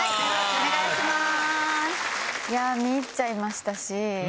お願いします。